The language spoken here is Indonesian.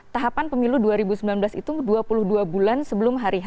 tahapan pemilu dua ribu sembilan belas itu dua puluh dua bulan sebelum hari h